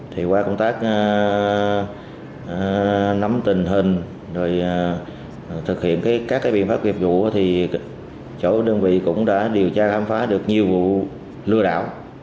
thì qua công tác nắm tình hình rồi thực hiện các biện pháp nghiệp vụ thì chỗ đơn vị cũng đã điều tra khám phá được nhiều vụ lừa đảo